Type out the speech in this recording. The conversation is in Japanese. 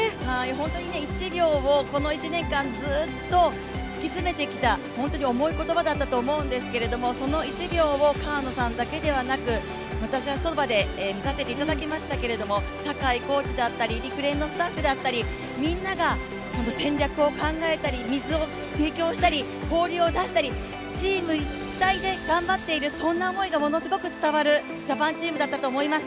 本当に１秒をこの１年間ずっと突き詰めてきた本当に重い言葉だったと思うんですけど、その１秒を川野さんだけではなく私は、そばで見させていただきましたが酒井コーチだったり、陸連のスタッフだったり、みんなが戦略を考えたり、水を提供したり氷を出したり、チーム一体で頑張っているそんな思いがものすごく伝わるジャパンチームだったと思います。